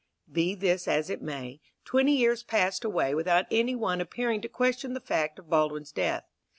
Be this as it may, twenty years passed away without any one appearing to question the fact of Baldwin's death.